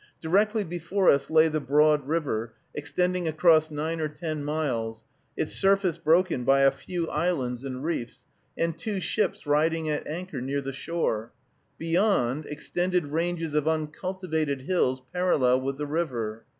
Directly before us lay the broad river, extending across nine or ten miles, its surface broken by a few islands and reefs, and two ships riding at anchor near the shore. Beyond, extended ranges of uncultivated hills, parallel with the river.